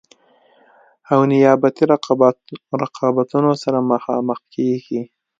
او نیابتي رقابتونو سره مخامخ کیږي.